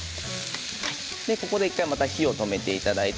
ここで１回また火を止めていただいて。